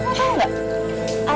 kan mau tau gak